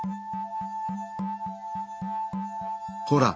ほら！